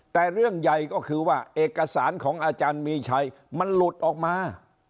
แต่เรื่องใหญ่ก็คือว่าเอกสารของอาจารย์มีชัยมันหลุดออกมา